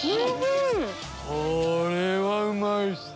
これはうまいっす！